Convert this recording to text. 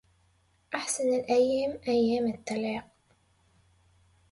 أحسن الأيام أيام التلاق